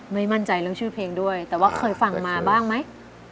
ไม่มั่นใจเรื่องชื่อเพลงด้วยแต่ว่าเคยฟังมาบ้างไหม